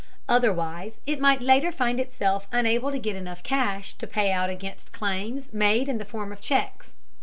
Otherwise it might later find itself unable to get enough cash to pay out against claims made in the form of checks.